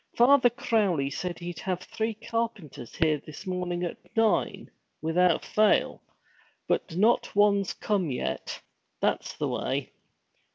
Father Crowley said he'd have three carpenters here this morning at nine, without fail; but not one's come yet. That's the way!'